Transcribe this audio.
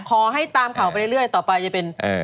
ขอให้ตามข่าวไปเรื่อยต่อไปจะเป็น